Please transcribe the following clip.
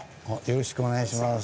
よろしくお願いします。